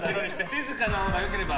静かなほうが良ければ。